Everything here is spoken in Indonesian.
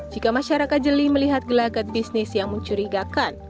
jika masyarakat jeli melihat gelagat bisnis yang mencurigakan